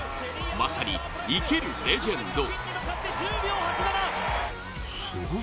まさに、生けるレジェンド。